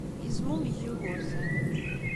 Yezmumeg Yugurten.